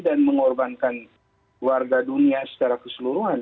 dan mengorbankan warga dunia secara keseluruhan